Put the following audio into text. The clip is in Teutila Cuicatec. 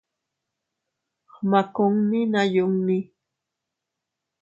Gmakunni naa yunni.